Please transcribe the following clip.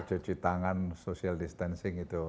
cuci tangan social distancing itu